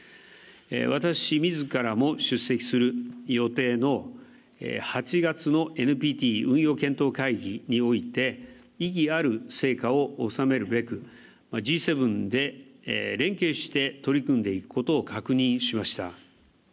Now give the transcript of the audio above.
私みずからも出席する予定の８月のＮＰＴ運用検討会議における意義ある成果をおさめるべくＧ７で連携して取り組んでいくことを確認しました。